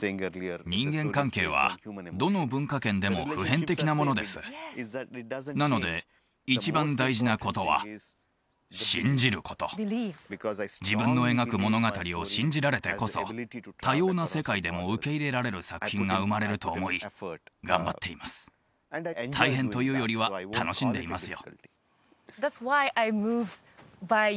人間関係はどの文化圏でも普遍的なものですなので一番大事なことは自分の描く物語を信じられてこそ多様な世界でも受け入れられる作品が生まれると思い頑張っています大変というよりは楽しんでいますよ